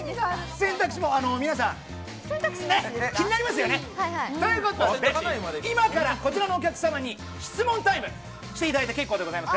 選択肢も皆さん、ね、気になりますよね。ということで、今からこちらのお客様に質問タイムしていただいて結構でございます。